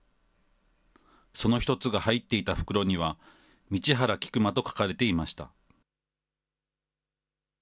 その一つが入っていた袋には、道原菊馬と書かれていました。